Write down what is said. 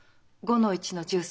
５の１の１３。